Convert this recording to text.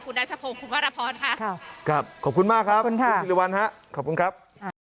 คุณนัชพงษ์คุณพระรพรค่ะครับขอบคุณมากครับคุณสิรวรรณครับขอบคุณครับ